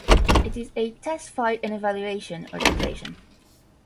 It is a test flight and evaluation organisation.